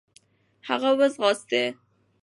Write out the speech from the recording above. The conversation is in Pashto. هغه و ځغاستی .